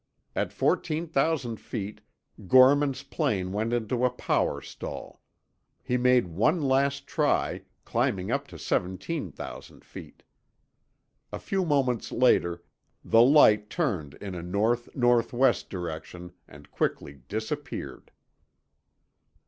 At 14,000 feet, Gorman's plane went into a power stall, He made one last try, climbing up to 17,000 feet. A few moments later, the light turned in a north northwest direction and quickly disappeared.